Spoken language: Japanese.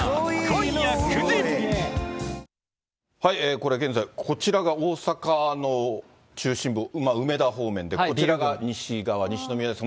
これ、現在、こちらが大阪の中心部、梅田方面で、こちらが西側、西宮です。